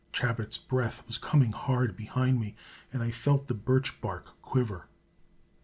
Chabot's breath was coming hard behind me, and I felt the birch bark quiver.